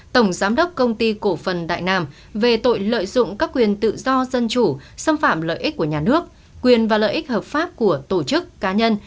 tổng giám đốc công ty cổ phần đại nam về tội lợi dụng các quyền tự do dân chủ xâm phạm lợi ích của nhà nước quyền và lợi ích hợp pháp của tổ chức cá nhân